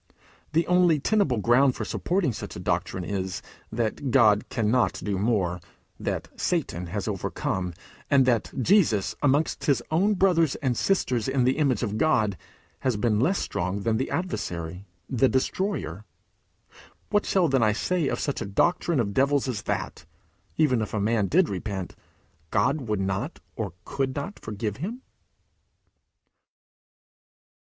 The only tenable ground for supporting such a doctrine is, that God cannot do more; that Satan has overcome; and that Jesus, amongst his own brothers and sisters in the image of God, has been less strong than the adversary, the destroyer. What then shall I say of such a doctrine of devils as that, even if a man did repent, God would not or could not forgive him?